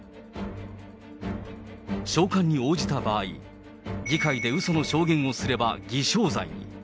召喚に応じた場合、議会でうその証言をすれば、偽証罪に。